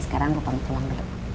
sekarang gua pengen pulang dulu